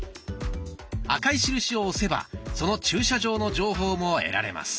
赤い印を押せばその駐車場の情報も得られます。